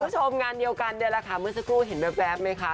คุณผู้ชมงานเดียวกันเนี่ยแหละค่ะเมื่อสักครู่เห็นแว๊บไหมคะ